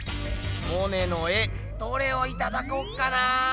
モネの絵どれをいただこうかな？